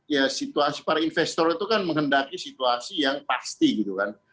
ya situasi para investor itu kan menghendaki situasi yang pasti gitu kan